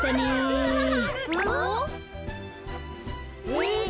えっ？